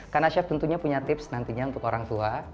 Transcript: karena chef tentunya punya tips nantinya untuk orang tua